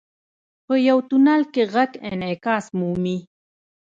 • په یو تونل کې ږغ انعکاس مومي.